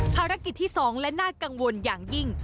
ภารกิจที่๒และน่ากังวลอย่างยิ่ง